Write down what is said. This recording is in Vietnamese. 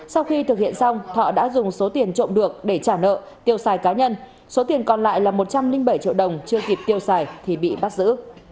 sau khi thực hiện xong thọ đã dùng số tiền trộm được để trả nợ tiêu xài cá nhân số tiền còn lại là một trăm linh bảy triệu đồng chưa kịp tiêu xài thì bị bắt giữ